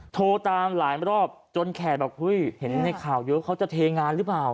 โทรตามหลายรอบจนแขกแบบเฮ้ยเห็นในข่าวเยอะเขาจะเทงานหรือเปล่า